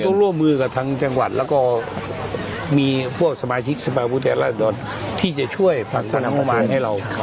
คงต้องร่วมมือกับทั้งจังหวัดแล้วก็มีพวกสมาชิกสมบัติประวัติรัฐราชดอดที่จะช่วยฝั่งพนักงานให้เรา